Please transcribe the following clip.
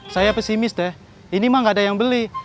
saya pesimis deh ini mah gak ada yang beli